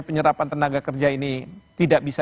penyerapan tenaga kerja ini tidak bisa